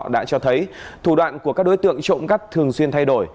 đã cho thấy thủ đoạn của các đối tượng trộm cắp thường xuyên thay đổi